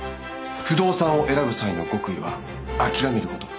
不動産を選ぶ際の極意は諦めること。